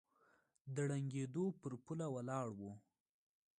د ړنګېدو پر پوله ولاړ و